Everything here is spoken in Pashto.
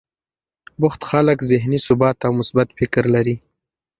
بوخت خلک ذهني ثبات او مثبت فکر لري.